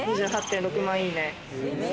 ２８．６万いいね。